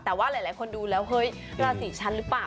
แต่ว่าหลายคนดูแล้วเฮ้ยราศีฉันหรือเปล่า